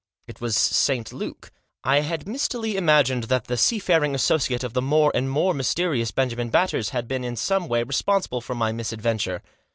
It was St. Luke. I had mistily imagined that that seafaring associate of the more arid more mysterious Benjamin Batters had been in some way responsible for my misadventure.